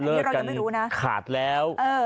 เราก็ยังไม่รู้นะหลอกกันขาดแล้วเออ